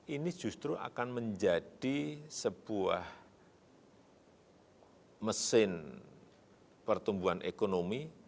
ini justru akan menjadi sebuah mesin pertumbuhan ekonomi